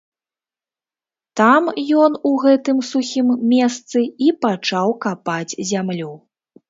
Там ён у гэтым сухім месцы і пачаў капаць зямлю.